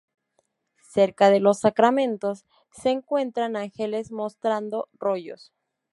Cerca de los Sacramentos se encuentran ángeles mostrando rollos.